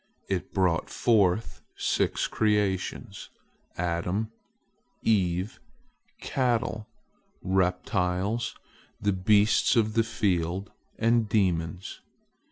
It brought forth six creations: Adam, Eve, cattle, reptiles, the beasts of the field, and demons.